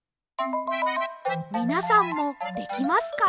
みなさんもできますか？